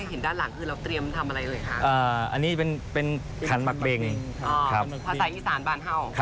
เอาเทียนมาค่ะ